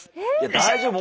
大丈夫？